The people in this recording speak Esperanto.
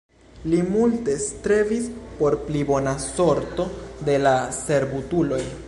Li multe strebis por pli bona sorto de la servutuloj.